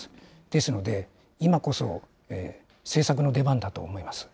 ですので、今こそ、政策の出番だと思います。